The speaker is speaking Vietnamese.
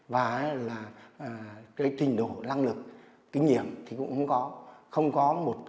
và trình độ lăng lực kinh nghiệm cũng không có